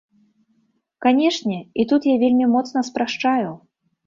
Канечне, і тут я вельмі моцна спрашчаю.